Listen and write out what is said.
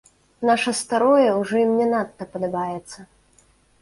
Наша старое ўжо ім не надта падабаецца.